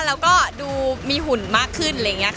แล้วก็ดูมีหุ่นมากขึ้น